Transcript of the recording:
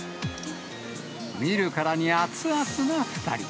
見るからに熱々な２人。